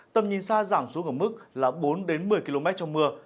tầm nhìn xa giảm xuống ở mức là bốn đến một mươi km trong mưa